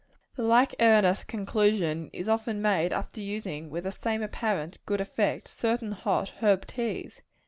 The like erroneous conclusion is often made after using, with the same apparent good effect, certain hot herb teas.